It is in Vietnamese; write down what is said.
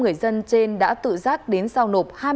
năm người dân trên đã tự giác đến rào nộp